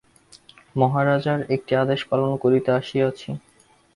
মহারাজার একটি আদেশ পালন করিতে আসিয়াছি!